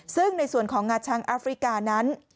ซึ่งในส่วนของงาช้างแอฟริกานั้น